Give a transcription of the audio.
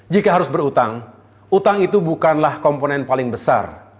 jika harus berutang utang itu bukanlah komponen paling besar